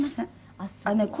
あっそう。